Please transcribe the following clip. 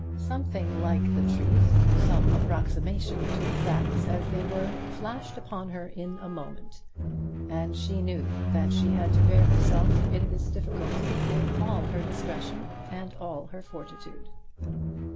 Something like the truth, some approximation to the facts as they were, flashed upon her in a moment, and she knew that she had to bear herself in this difficulty with all her discretion and all her fortitude.